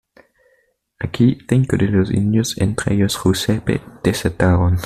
Aquí cinco de los indios, entre ellos Jusepe, desertaron.